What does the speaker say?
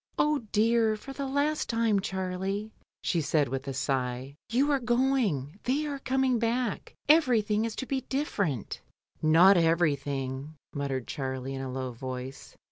"Oh dear! for the last time, Charlie," she said, with a sigh; "you are going, they are coming back; everything is to be different" "Not everything," muttered Charlie in a low voice.